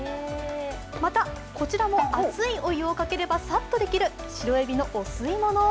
また、こちらも熱いお湯をかければサッとできる白えびのお吸い物。